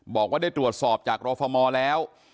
บอกว่าได้ตรวจสอบจากรฟมแล้ว